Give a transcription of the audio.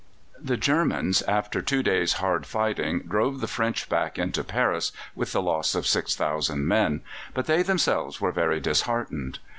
The Germans, after two days' hard fighting, drove the French back into Paris, with the loss of 6,000 men; but they themselves were very disheartened.